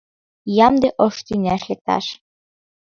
Ямде ош тӱняш лекташ.